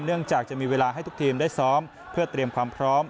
จากจะมีเวลาให้ทุกทีมได้ซ้อมเพื่อเตรียมความพร้อม